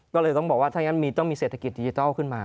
ก็เลยต้องบอกว่าถ้าอย่างนั้นต้องมีเศรษฐกิจดีเจอต์ขึ้นมา